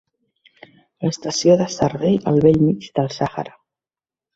Estació de servei al bell mig del Sàhara.